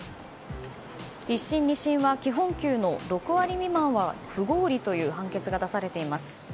１審、２審は基本給の６割未満は不合理という判決が出されています。